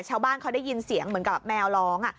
ชาวบ้านเขาได้ยินเสียงเหมือนกับแมวร้อง